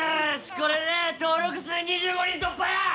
これで登録数２５人突破や！